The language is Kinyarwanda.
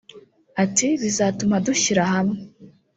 Ati ‘’ Bizatuma dushyira hamwe